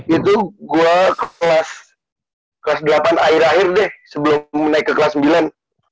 dari dulu gue kelas kelas delapan akhir akhir deh sebelum naik ke kelas sembilan